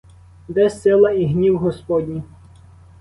Де сила і гнів господні?